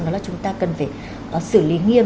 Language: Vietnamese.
nó là chúng ta cần phải xử lý nghiêm